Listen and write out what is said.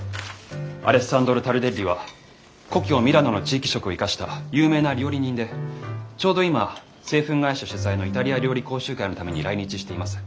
アレッサンドロ・タルデッリは故郷ミラノの地域色を生かした有名な料理人でちょうど今製粉会社主催のイタリア料理講習会のために来日しています。